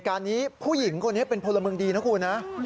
ทุกคนค่ะผู้หญิงนี้ผลมืองดีนะครับ